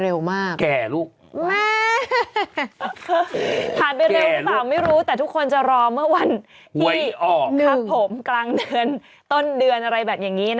เธอเธอรู้ไหมอีกไม่กี่วันครึ่งปีแล้วนะเนี่ย